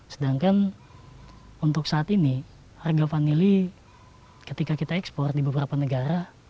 sedangkan untuk saat ini harga vanili ketika kita ekspor di beberapa negara